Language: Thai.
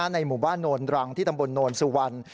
ในหมู่บ้านโนนรังที่ตำบลโนนสุวรรณ